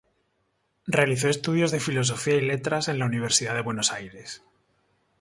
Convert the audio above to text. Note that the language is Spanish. Realizó estudios de Filosofía y Letras en la Universidad de Buenos Aires.